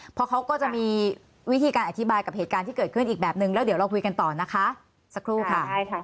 เพราะเขาก็จะมีวิธีการอธิบายกับเหตุการณ์ที่เกิดขึ้นอีกแบบนึงแล้วเดี๋ยวเราคุยกันต่อนะคะสักครู่ค่ะ